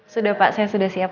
sudah pak saya sudah siap